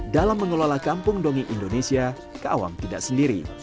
dalam mengelola kampung dongeng indonesia keawam tidak sendiri